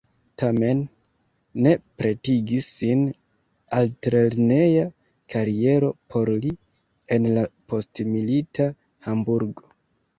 Tamen ne pretigis sin altlerneja kariero por li en la postmilita Hamburgo.